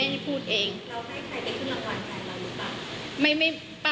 เราได้ใครไปขึ้นหวังหวังใจเราหรือเปล่า